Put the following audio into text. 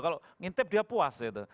kalau ngintip dia puas gitu